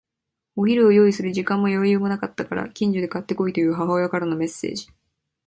お昼を用意する時間も余裕もなかったから、近所で買って来いという母親からのメッセージ。